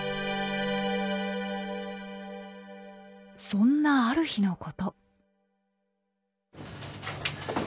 そんなある日のこと。